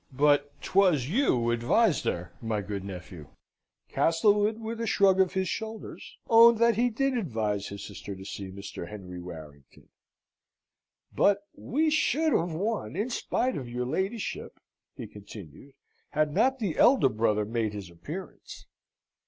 "But 'twas you advised her, my good nephew?" Castlewood, with a shrug of his shoulders, owned that he did advise his sister to see Mr. Henry Warrington. "But we should have won, in spite of your ladyship," he continued, "had not the elder brother made his appearance.